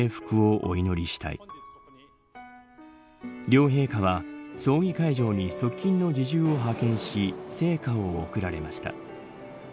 両陛下は葬儀会場に側近の侍従を派遣し生花を贈られました。